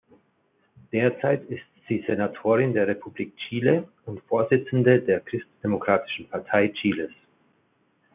Derzeit ist sie Senatorin der Republik Chile und Vorsitzende der Christdemokratischen Partei Chiles.